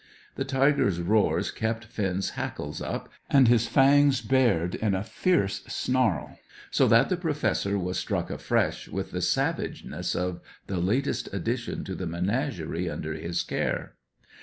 The tiger's roars kept Finn's hackles up, and his fangs bared in a fierce snarl; so that the Professor was struck afresh with the savageness of the latest addition to the menagerie under his care.